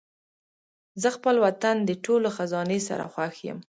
زه خپل وطن د ټولو خزانې سره خوښ یم.